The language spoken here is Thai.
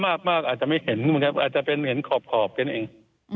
ท่ำมากอาจจะไม่เห็นอาจจะเห็นขอบกันเอง